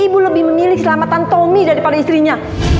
ibu lebih memilih selamatan tommy daripada istrinya